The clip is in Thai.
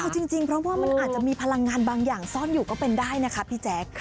เอาจริงเพราะว่ามันอาจจะมีพลังงานบางอย่างซ่อนอยู่ก็เป็นได้นะคะพี่แจ๊ค